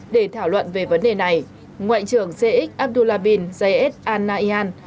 để thảo luận về vấn đề này ngoại trưởng sheikh abdullah bin zayed al nahyan